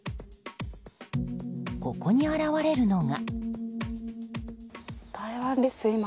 ここに現れるのが。